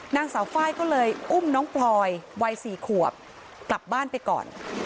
นางสาวไฟล์ก็เลยอุ้มน้องพลอยวัย๔ขวบกลับบ้านไปก่อน